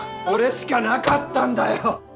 これしかなかったんだよ！